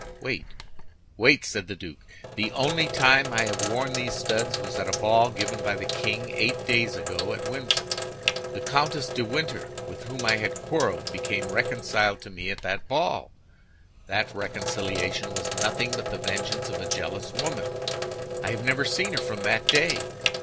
"Wait, wait!" said the duke. "The only time I have worn these studs was at a ball given by the king eight days ago at Windsor. The Comtesse de Winter, with whom I had quarreled, became reconciled to me at that ball. That reconciliation was nothing but the vengeance of a jealous woman. I have never seen her from that day.